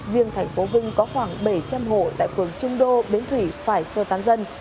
riêng thành phố vinh có khoảng bảy trăm linh hộ tại phường trung đô bến thủy phải sơ tán dân